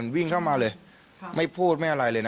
วิ่งเข้ามาเลยไม่พูดไม่อะไรเลยนะ